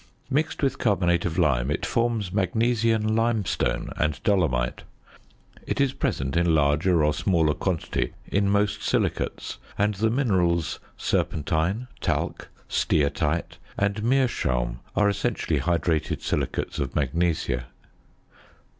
Mixed with carbonate of lime, it forms magnesian limestone and dolomite. It is present in larger or smaller quantity in most silicates; and the minerals, serpentine, talc, steatite and meerschaum are essentially hydrated silicates of magnesia.